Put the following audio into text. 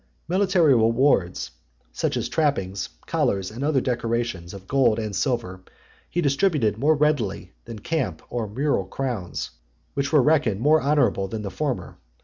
Military rewards, such as trappings, collars, and other decorations of gold and silver, he distributed more readily than camp or mural crowns, which were reckoned more honourable than the former.